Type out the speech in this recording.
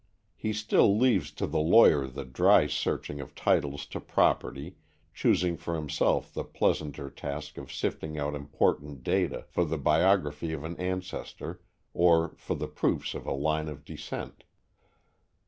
He still leaves to the lawyer the dry searching of titles to property, choosing for himself the pleasanter task of sifting out important data for the biography of an ancestor, or for the proofs of a line of descent.